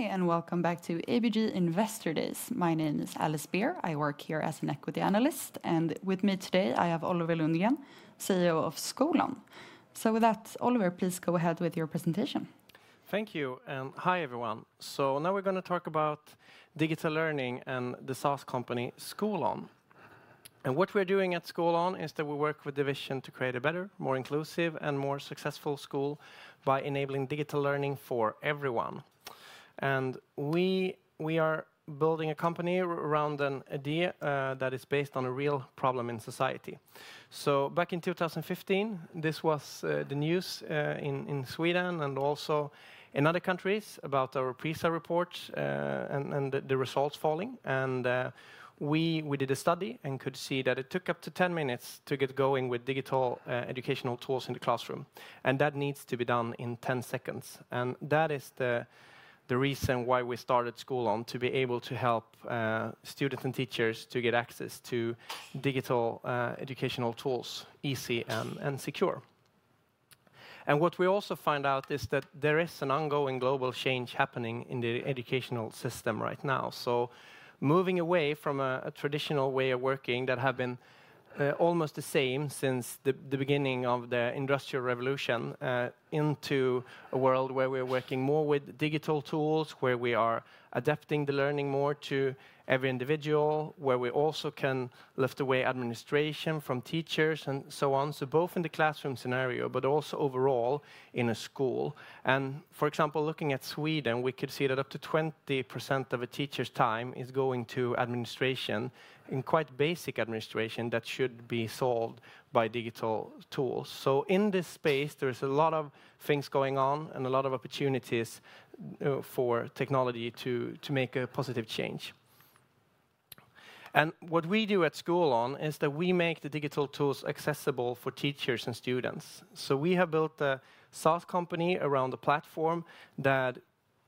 Hi, and welcome back to ABG Investor Days. My name is Alice Beer. I work here as an equity analyst, and with me today I have Oliver Lundgren, CEO of Skolon. So with that, Oliver, please go ahead with your presentation. Thank you, and hi everyone. So now we're going to talk about digital learning and the SaaS company Skolon. And what we're doing at Skolon is that we work with the vision to create a better, more inclusive, and more successful school by enabling digital learning for everyone. And we are building a company around an idea that is based on a real problem in society. So back in 2015, this was the news in Sweden and also in other countries about our PISA report and the results falling. And we did a study and could see that it took up to 10 minutes to get going with digital educational tools in the classroom. And that needs to be done in 10 seconds. And that is the reason why we started Skolon, to be able to help students and teachers to get access to digital educational tools easy and secure. And what we also found out is that there is an ongoing global change happening in the educational system right now, so moving away from a traditional way of working that has been almost the same since the beginning of the Industrial Revolution into a world where we are working more with digital tools, where we are adapting the learning more to every individual, where we also can lift away administration from teachers and so on, so both in the classroom scenario, but also overall in a school, and for example, looking at Sweden, we could see that up to 20% of a teacher's time is going to administration, in quite basic administration that should be solved by digital tools, so in this space, there is a lot of things going on and a lot of opportunities for technology to make a positive change. And what we do at Skolon is that we make the digital tools accessible for teachers and students. So we have built a SaaS company around a platform that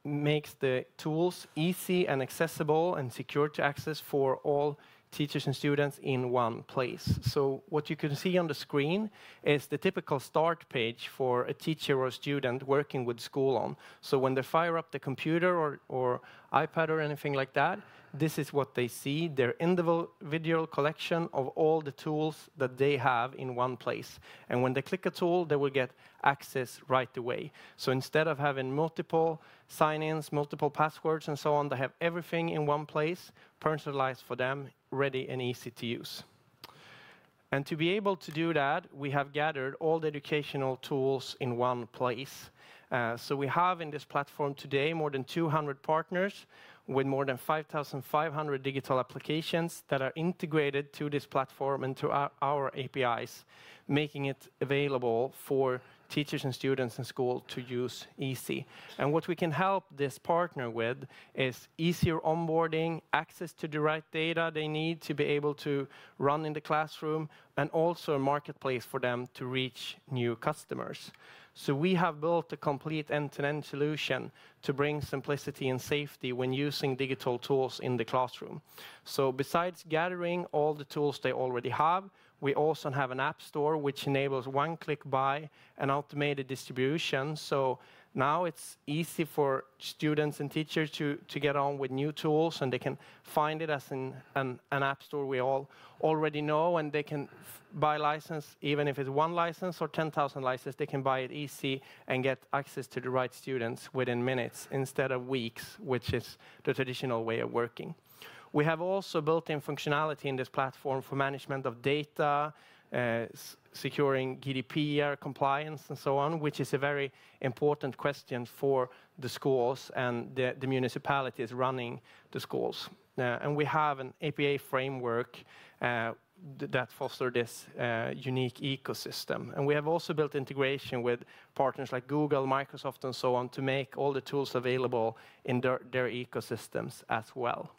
makes the tools easy and accessible and secure to access for all teachers and students in one place. So what you can see on the screen is the typical start page for a teacher or student working with Skolon. So when they fire up the computer or iPad or anything like that, this is what they see. Their individual collection of all the tools that they have in one place. And when they click a tool, they will get access right away. So instead of having multiple sign-ins, multiple passwords, and so on, they have everything in one place, personalized for them, ready and easy to use. To be able to do that, we have gathered all the educational tools in one place. So we have in this platform today more than 200 partners with more than 5,500 digital applications that are integrated to this platform and to our APIs, making it available for teachers and students in school to use easily. What we can help this partner with is easier onboarding, access to the right data they need to be able to run in the classroom, and also a marketplace for them to reach new customers. We have built a complete end-to-end solution to bring simplicity and safety when using digital tools in the classroom. Besides gathering all the tools they already have, we also have an app store which enables one-click buy and automated distribution. So now it's easy for students and teachers to get on with new tools, and they can find it as an app store we all already know, and they can buy license, even if it's one license or 10,000 licenses, they can buy it easy and get access to the right students within minutes instead of weeks, which is the traditional way of working. We have also built-in functionality in this platform for management of data, securing GDPR compliance and so on, which is a very important question for the schools and the municipalities running the schools. And we have an API framework that fosters this unique ecosystem. And we have also built integration with partners like Google, Microsoft, and so on to make all the tools available in their ecosystems as well.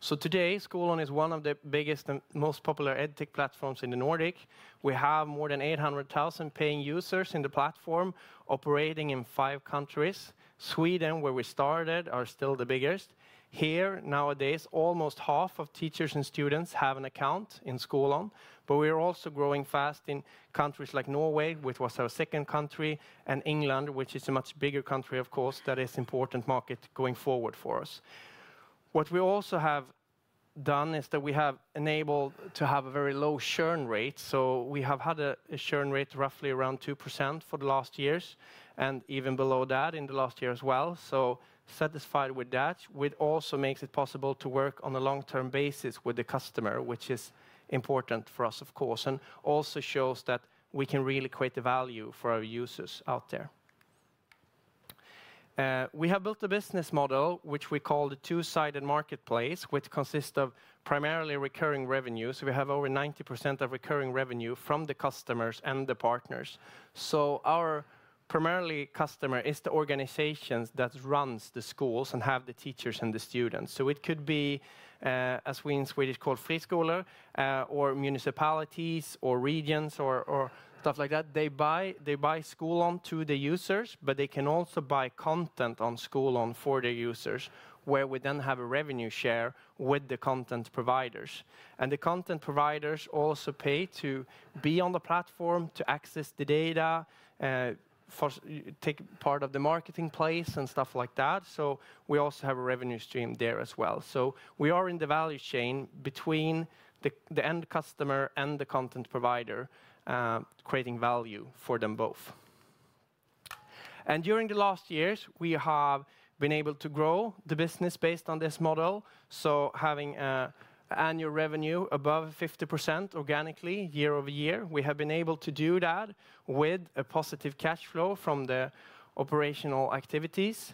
So today, Skolon is one of the biggest and most popular edtech platforms in the Nordic. We have more than 800,000 paying users in the platform operating in five countries. Sweden, where we started, is still the biggest. Here, nowadays, almost half of teachers and students have an account in Skolon. But we are also growing fast in countries like Norway, which was our second country, and England, which is a much bigger country, of course, that is an important market going forward for us. What we also have done is that we have enabled to have a very low churn rate. So we have had a churn rate roughly around 2% for the last years and even below that in the last year as well. So satisfied with that, which also makes it possible to work on a long-term basis with the customer, which is important for us, of course, and also shows that we can really create the value for our users out there. We have built a business model which we call the two-sided marketplace, which consists of primarily recurring revenue. So we have over 90% of recurring revenue from the customers and the partners. So our primary customer is the organizations that run the schools and have the teachers and the students. So it could be, as we in Swedish call, friskolor, or municipalities or regions or stuff like that. They buy Skolon for the users, but they can also buy content on Skolon for their users, where we then have a revenue share with the content providers. And the content providers also pay to be on the platform, to access the data, take part of the marketplace, and stuff like that. So we also have a revenue stream there as well. We are in the value chain between the end customer and the content provider, creating value for them both. During the last years, we have been able to grow the business based on this model. Having annual revenue above 50% organically year over year, we have been able to do that with a positive cash flow from the operational activities.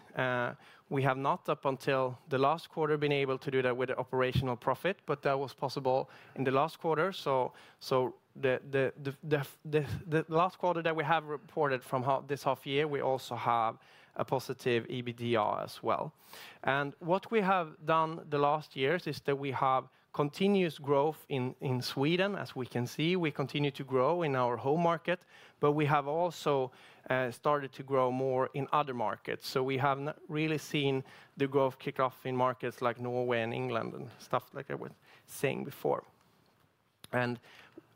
We have not, up until the last quarter, been able to do that with operational profit, but that was possible in the last quarter. The last quarter that we have reported from this half year, we also have a positive EBITDA as well. What we have done the last years is that we have continuous growth in Sweden, as we can see. We continue to grow in our home market, but we have also started to grow more in other markets. So we have really seen the growth kick off in markets like Norway and England, and stuff like I was saying before. And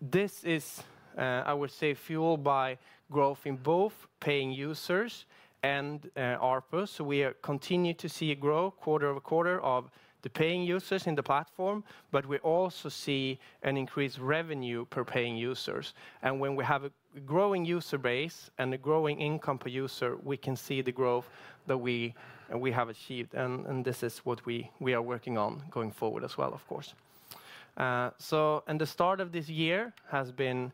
this is, I would say, fueled by growth in both paying users and ARPU. So we continue to see a growth quarter over quarter of the paying users in the platform, but we also see an increased revenue per paying users. And when we have a growing user base and a growing income per user, we can see the growth that we have achieved. And this is what we are working on going forward as well, of course. So the start of this year has been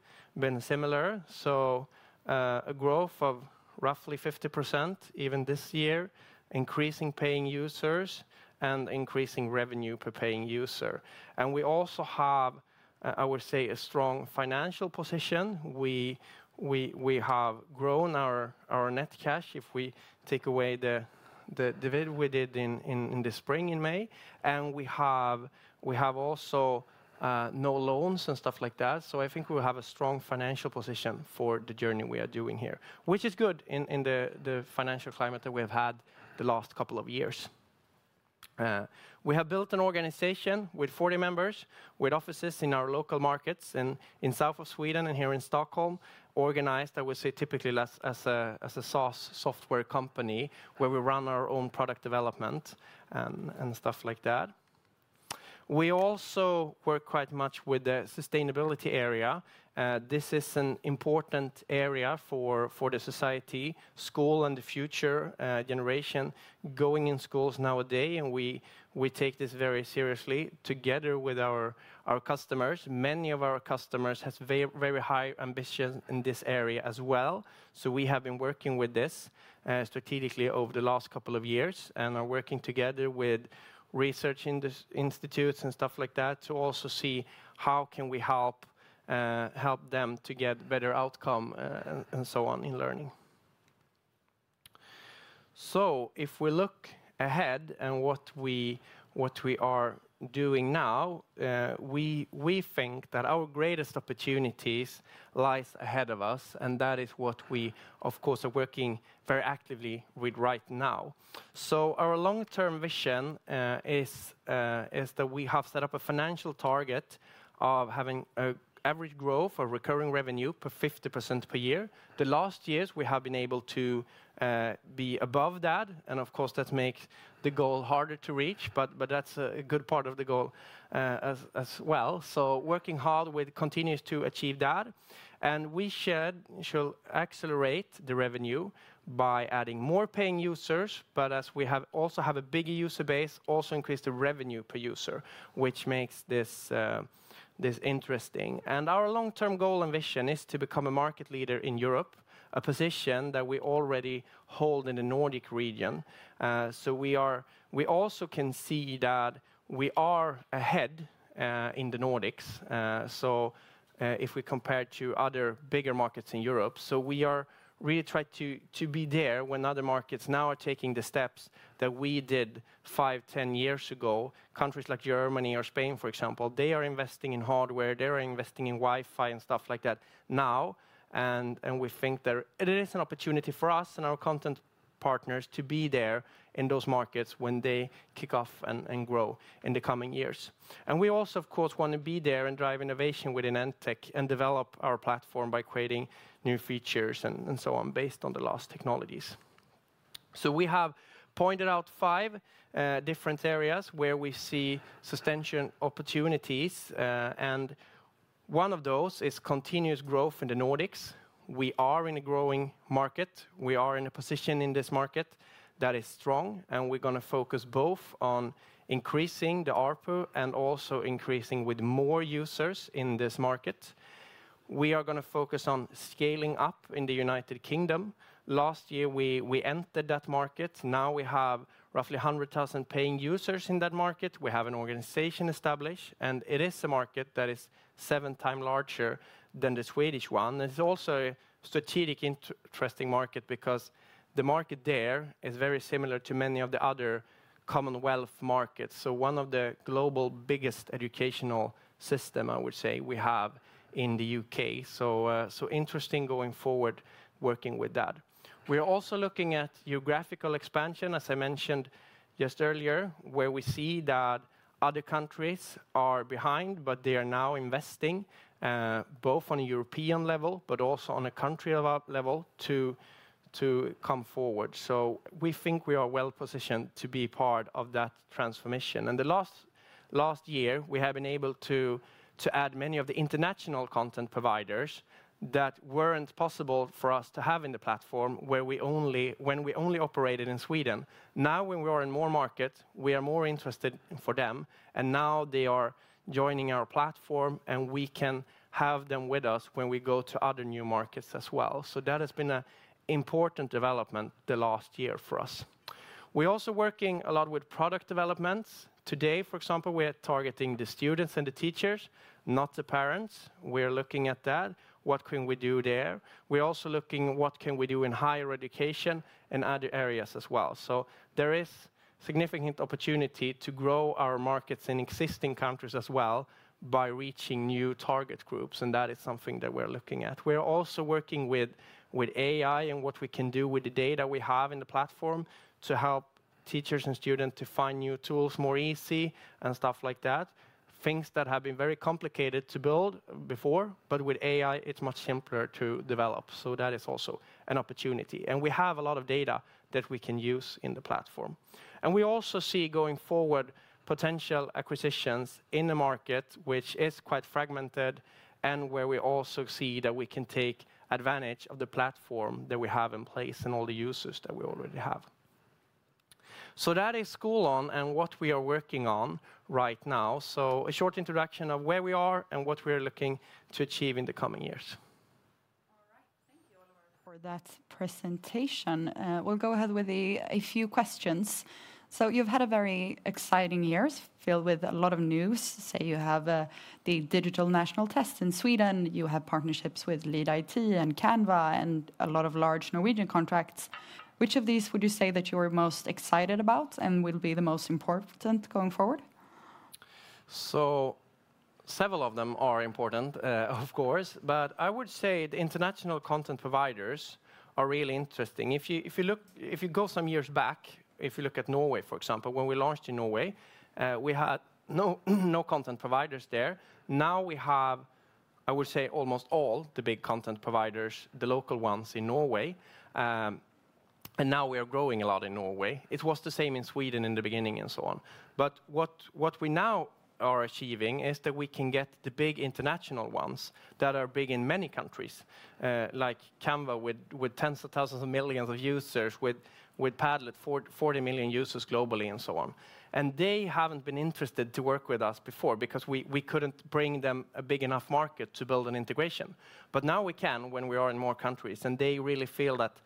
similar. So a growth of roughly 50% even this year, increasing paying users and increasing revenue per paying user. And we also have, I would say, a strong financial position. We have grown our net cash if we take away the dividend we did in the spring in May, and we have also no loans and stuff like that, so I think we have a strong financial position for the journey we are doing here, which is good in the financial climate that we have had the last couple of years. We have built an organization with 40 members, with offices in our local markets in south of Sweden and here in Stockholm, organized, I would say, typically as a SaaS software company where we run our own product development and stuff like that. We also work quite much with the sustainability area. This is an important area for the society, school, and the future generation going in schools nowadays, and we take this very seriously together with our customers. Many of our customers have very high ambitions in this area as well, so we have been working with this strategically over the last couple of years and are working together with research institutes and stuff like that to also see how can we help them to get better outcomes and so on in learning, so if we look ahead and what we are doing now, we think that our greatest opportunities lie ahead of us, and that is what we, of course, are working very actively with right now, so our long-term vision is that we have set up a financial target of having an average growth or recurring revenue per 50% per year. The last years, we have been able to be above that, and of course, that makes the goal harder to reach, but that's a good part of the goal as well. Working hard continues to achieve that. We shall accelerate the revenue by adding more paying users, but as we also have a big user base, also increase the revenue per user, which makes this interesting. Our long-term goal and vision is to become a market leader in Europe, a position that we already hold in the Nordic region. We also can see that we are ahead in the Nordics. If we compare to other bigger markets in Europe, so we are really trying to be there when other markets now are taking the steps that we did five, ten years ago. Countries like Germany or Spain, for example, they are investing in hardware, they are investing in Wi-Fi and stuff like that now. We think there is an opportunity for us and our content partners to be there in those markets when they kick off and grow in the coming years. We also, of course, want to be there and drive innovation within edtech and develop our platform by creating new features and so on based on the latest technologies. We have pointed out five different areas where we see substantial opportunities. One of those is continuous growth in the Nordics. We are in a growing market. We are in a position in this market that is strong. We're going to focus both on increasing the ARPU and also increasing with more users in this market. We are going to focus on scaling up in the United Kingdom. Last year, we entered that market. Now we have roughly 100,000 paying users in that market. We have an organization established, and it is a market that is seven times larger than the Swedish one. It's also a strategic interesting market because the market there is very similar to many of the other Commonwealth markets, so one of the global biggest educational systems, I would say, we have in the U.K., so interesting going forward working with that. We are also looking at geographical expansion, as I mentioned just earlier, where we see that other countries are behind, but they are now investing both on a European level, but also on a country level to come forward, so we think we are well positioned to be part of that transformation, and the last year, we have been able to add many of the international content providers that weren't possible for us to have in the platform when we only operated in Sweden. Now when we are in more markets, we are more interested for them, and now they are joining our platform, and we can have them with us when we go to other new markets as well, so that has been an important development the last year for us. We are also working a lot with product developments. Today, for example, we are targeting the students and the teachers, not the parents. We are looking at that. What can we do there? We are also looking at what can we do in higher education and other areas as well, so there is significant opportunity to grow our markets in existing countries as well by reaching new target groups, and that is something that we're looking at. We are also working with AI and what we can do with the data we have in the platform to help teachers and students to find new tools more easy and stuff like that. Things that have been very complicated to build before, but with AI, it's much simpler to develop, so that is also an opportunity, and we have a lot of data that we can use in the platform, and we also see going forward potential acquisitions in the market, which is quite fragmented and where we also see that we can take advantage of the platform that we have in place and all the users that we already have, so that is Skolon and what we are working on right now, so a short introduction of where we are and what we are looking to achieve in the coming years. All right. Thank you, Oliver. For that presentation. We'll go ahead with a few questions. So you've had a very exciting year filled with a lot of news. Say you have the digital national test in Sweden, you have partnerships with Padlet and Canva and a lot of large Norwegian contracts. Which of these would you say that you are most excited about and will be the most important going forward? So several of them are important, of course, but I would say the international content providers are really interesting. If you go some years back, if you look at Norway, for example, when we launched in Norway, we had no content providers there. Now we have, I would say, almost all the big content providers, the local ones in Norway. And now we are growing a lot in Norway. It was the same in Sweden in the beginning and so on. But what we now are achieving is that we can get the big international ones that are big in many countries, like Canva with tens of thousands of millions of users, with Padlet, 40 million users globally and so on. And they haven't been interested to work with us before because we couldn't bring them a big enough market to build an integration. But now we can when we are in more countries, and they really feel that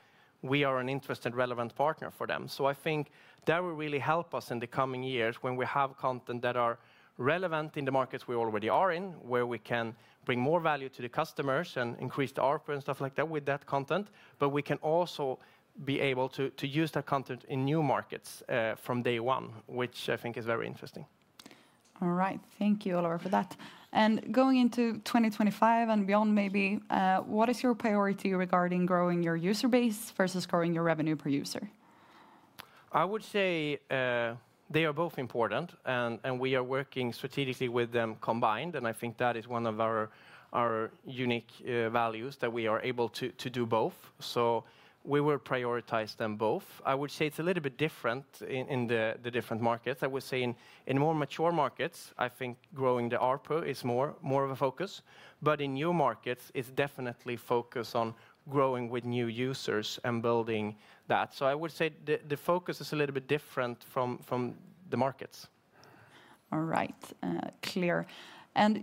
we are an interested relevant partner for them. So I think that will really help us in the coming years when we have content that is relevant in the markets we already are in, where we can bring more value to the customers and increase the ARPU and stuff like that with that content. But we can also be able to use that content in new markets from day one, which I think is very interesting. All right. Thank you, Oliver, for that. And going into 2025 and beyond, maybe, what is your priority regarding growing your user base versus growing your revenue per user? I would say they are both important, and we are working strategically with them combined. And I think that is one of our unique values that we are able to do both. So we will prioritize them both. I would say it's a little bit different in the different markets. I would say in more mature markets, I think growing the ARPU is more of a focus. But in new markets, it's definitely focused on growing with new users and building that. So I would say the focus is a little bit different from the markets. All right. Clear.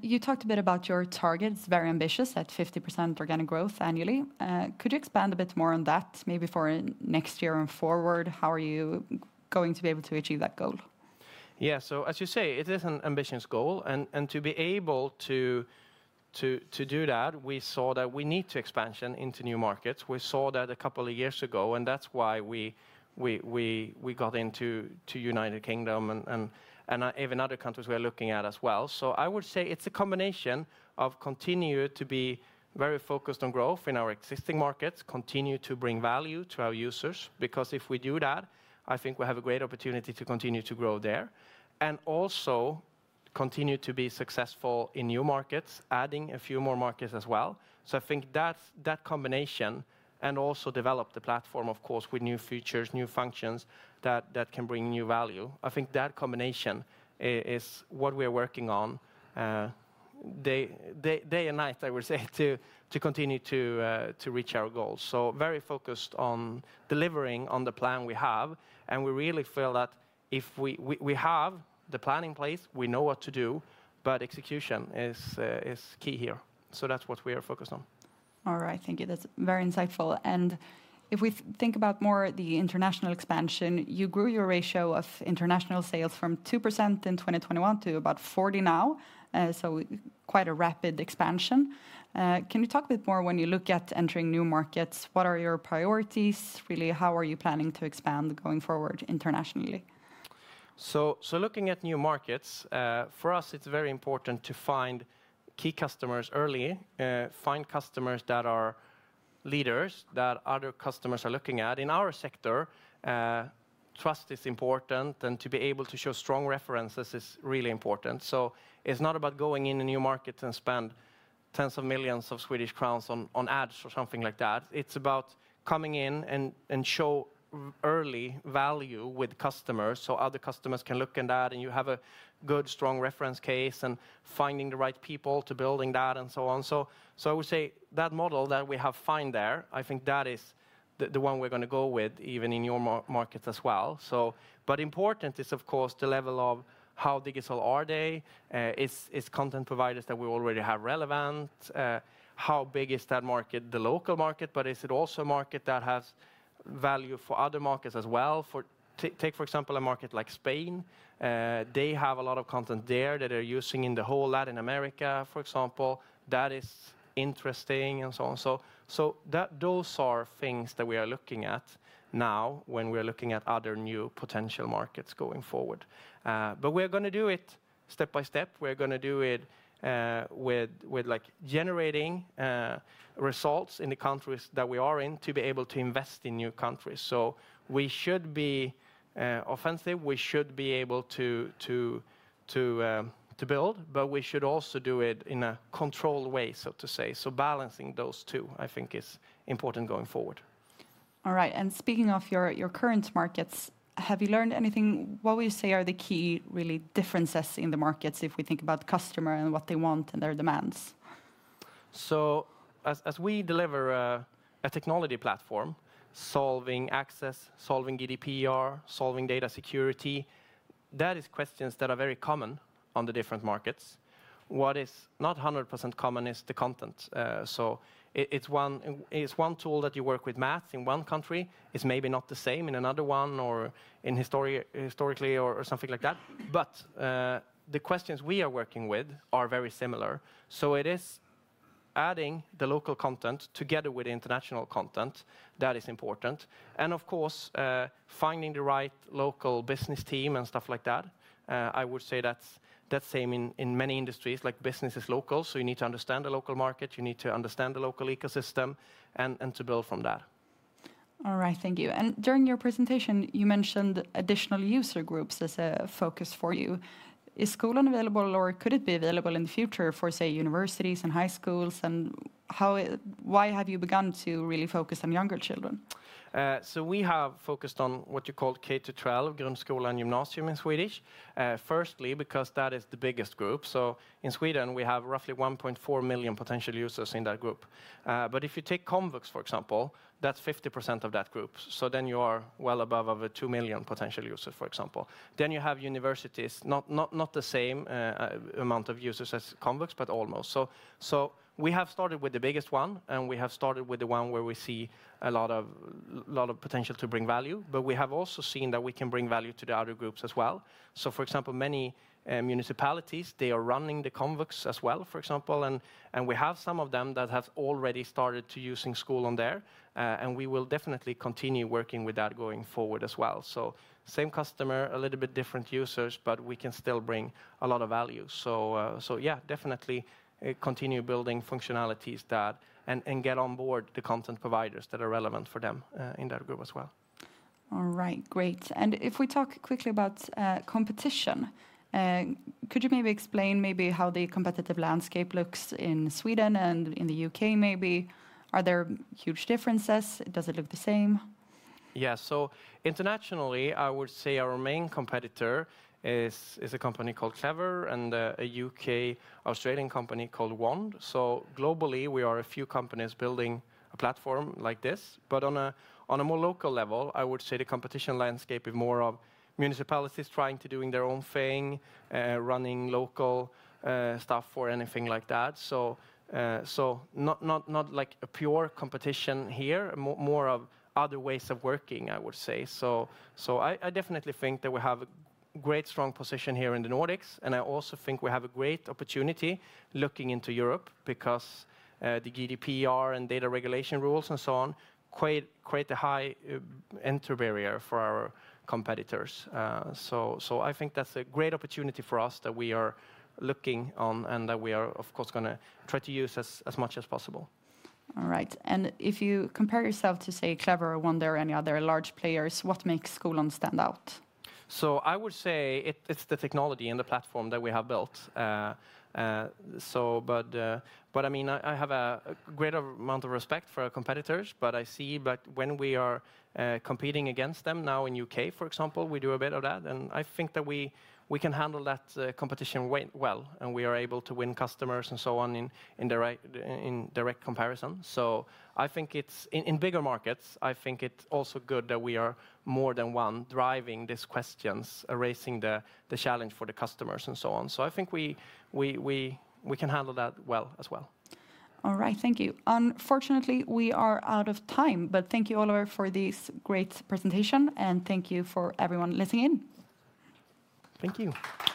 You talked a bit about your targets. It's very ambitious at 50% organic growth annually. Could you expand a bit more on that, maybe for next year and forward? How are you going to be able to achieve that goal? Yeah, so as you say, it is an ambitious goal. And to be able to do that, we saw that we need to expand into new markets. We saw that a couple of years ago, and that's why we got into the United Kingdom and even other countries we are looking at as well. So I would say it's a combination of continuing to be very focused on growth in our existing markets, continuing to bring value to our users, because if we do that, I think we have a great opportunity to continue to grow there and also continue to be successful in new markets, adding a few more markets as well. So I think that combination and also develop the platform, of course, with new features, new functions that can bring new value. I think that combination is what we are working on day and night, I would say, to continue to reach our goals. So very focused on delivering on the plan we have. And we really feel that if we have the plan in place, we know what to do, but execution is key here. So that's what we are focused on. All right. Thank you. That's very insightful. If we think about more the international expansion, you grew your ratio of international sales from 2% in 2021 to about 40% now. Quite a rapid expansion. Can you talk a bit more when you look at entering new markets? What are your priorities? Really, how are you planning to expand going forward internationally? Looking at new markets, for us, it's very important to find key customers early, find customers that are leaders that other customers are looking at. In our sector, trust is important, and to be able to show strong references is really important. It's not about going into new markets and spending tens of millions of SEK on ads or something like that. It's about coming in and showing early value with customers so other customers can look at that and you have a good, strong reference case and finding the right people to build that and so on. So I would say that model that we have found there, I think that is the one we're going to go with even in your markets as well. But important is, of course, the level of how digital are they, is content providers that we already have relevant, how big is that market, the local market, but is it also a market that has value for other markets as well? Take, for example, a market like Spain. They have a lot of content there that they're using in the whole Latin America, for example. That is interesting and so on. So those are things that we are looking at now when we are looking at other new potential markets going forward. But we are going to do it step by step. We are going to do it with generating results in the countries that we are in to be able to invest in new countries. So we should be offensive. We should be able to build, but we should also do it in a controlled way, so to say. So balancing those two, I think, is important going forward. All right. And speaking of your current markets, have you learned anything? What would you say are the key really differences in the markets if we think about customers and what they want and their demands? So as we deliver a technology platform, solving access, solving GDPR, solving data security, that is questions that are very common on the different markets. What is not 100% common is the content. So it's one tool that you work with, math in one country is maybe not the same in another one or historically or something like that. But the questions we are working with are very similar. So it is adding the local content together with international content that is important. And of course, finding the right local business team and stuff like that. I would say that's the same in many industries, like business is local, so you need to understand the local market, you need to understand the local ecosystem, and to build from that. All right. Thank you. And during your presentation, you mentioned additional user groups as a focus for you. Is Skolon available, or could it be available in the future for, say, universities and high schools? And why have you begun to really focus on younger children? So we have focused on what you call K-12, grundskola and gymnasium in Swedish, firstly because that is the biggest group. So in Sweden, we have roughly 1.4 million potential users in that group. But if you take Komvux, for example, that's 50% of that group. So then you are well above over 2 million potential users, for example. Then you have universities, not the same amount of users as Komvux, but almost. So we have started with the biggest one, and we have started with the one where we see a lot of potential to bring value. But we have also seen that we can bring value to the other groups as well. So for example, many municipalities, they are running the Komvux as well, for example. We have some of them that have already started using Skolon there. We will definitely continue working with that going forward as well. Same customer, a little bit different users, but we can still bring a lot of value. Yeah, definitely continue building functionalities and get on board the content providers that are relevant for them in that group as well. All right. Great. If we talk quickly about competition, could you maybe explain how the competitive landscape looks in Sweden and in the U.K. maybe? Are there huge differences? Does it look the same? Yeah. Internationally, I would say our main competitor is a company called Clever and a U.K.-Australian company called Wonde. Globally, we are a few companies building a platform like this. But on a more local level, I would say the competition landscape is more of municipalities trying to do their own thing, running local stuff for anything like that. So not like a pure competition here, more of other ways of working, I would say. So I definitely think that we have a great, strong position here in the Nordics. And I also think we have a great opportunity looking into Europe because the GDPR and data regulation rules and so on create a high entry barrier for our competitors. So I think that's a great opportunity for us that we are looking on and that we are, of course, going to try to use as much as possible. All right. And if you compare yourself to, say, Clever, Wonde, or any other large players, what makes Skolon stand out? So I would say it's the technology and the platform that we have built. But I mean, I have a greater amount of respect for our competitors, but I see that when we are competing against them now in the U.K., for example, we do a bit of that. And I think that we can handle that competition well and we are able to win customers and so on in direct comparison. So I think in bigger markets, I think it's also good that we are more than one driving these questions, raising the challenge for the customers and so on. So I think we can handle that well as well. All right. Thank you. Unfortunately, we are out of time, but thank you, Oliver, for this great presentation, and thank you for everyone listening. Thank you.